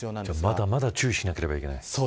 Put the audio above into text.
まだまだ注意しなければいけない。